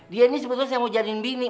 dia ini sebetulnya mau jadiin bini